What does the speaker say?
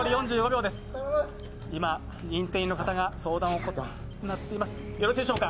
今認定員の方が相談を行っています。